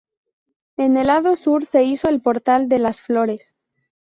En el lado sur se hizo el Portal de las Flores.